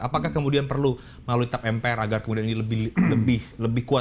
apakah kemudian perlu melalui tap mpr agar kemudian ini lebih kuat